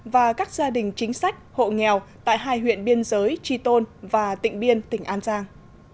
và các gia đình chính sách hộ nghèo tại hai huyện biên giới tri tôn và tỉnh biên tỉnh an giang